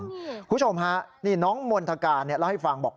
คุณผู้ชมฮะนี่น้องมณฑการเล่าให้ฟังบอก